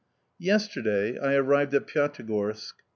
YESTERDAY I arrived at Pyatigorsk.